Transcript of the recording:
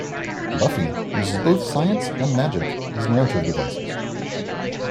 "Buffy" uses both science and magic as narrative devices.